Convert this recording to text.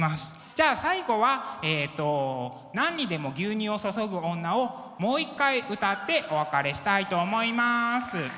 じゃあ最後は「何にでも牛乳を注ぐ女」をもう一回歌ってお別れしたいと思います。